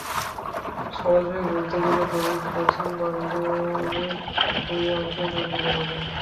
সহজ ভাবে বলতে গেলে, গণিতে প্রথম বন্ধনীর দুই অংশের মতো ব্যবধান।